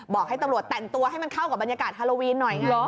บอกให้ตำรวจแต่งตัวให้มันเข้ากับบรรยากาศฮาโลวีนหน่อยไง